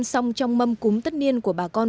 trong trong mâm cúm tất niên của bà con